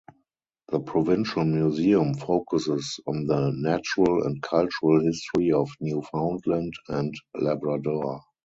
The Provincial Museum focuses on the natural and cultural history of Newfoundland and Labrador.